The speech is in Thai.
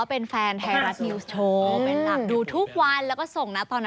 เป็นหลักดูทุกวันแล้วก็ส่งนะตอนนั้น